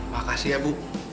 makasih ya bu